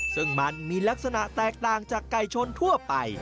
ซึ่งมันมีลักษณะแตกต่างจากไก่ชนทั่วไป